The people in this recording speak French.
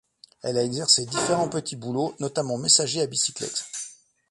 Elle a exercé différents petits boulots notamment messager à bicyclette.